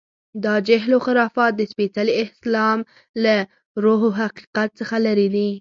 دا جهل و خرافات د سپېڅلي اسلام له روح و حقیقت څخه لرې دي.